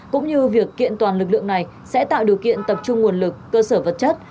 cũng như việc kiện toàn lực lượng này sẽ tạo điều kiện tập trung nguồn lực cơ sở vật chất